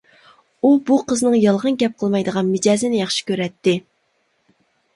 ئۇ بۇ قىزنىڭ يالغان گەپ قىلمايدىغان مىجەزىنى ياخشى كۆرەتتى.